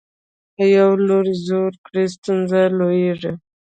که یو لور زور کړي ستونزه لویېږي.